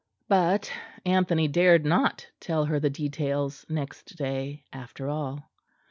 But Anthony dared not tell her the details next day, after all.